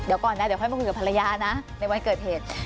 เดี๋ยวก่อนนะเดี๋ยวค่อยมาคุยกับภรรยานะในวันเกิดเหตุ